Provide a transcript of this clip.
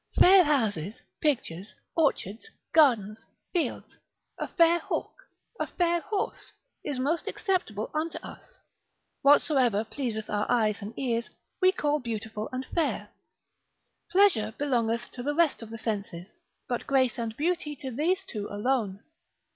Fair houses, pictures, orchards, gardens, fields, a fair hawk, a fair horse is most acceptable unto us; whatsoever pleaseth our eyes and ears, we call beautiful and fair; Pleasure belongeth to the rest of the senses, but grace and beauty to these two alone.